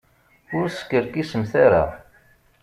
Ur skerkisemt ara.